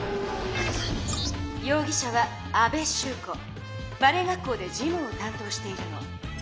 ようぎ者はバレエ学校で事務をたん当しているの。